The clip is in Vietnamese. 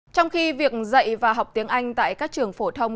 trong khi việc dạy và học tiếng anh tại các trường phổ thông